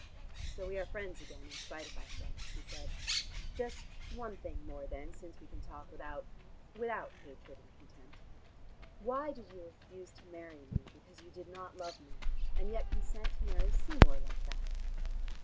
"So we are friends again in spite of ourselves," he said. "Just one thing more then, since we can talk without without hatred and contempt. Why did you refuse to marry me, because you did not love me, and yet consent to marry Seymour like that?"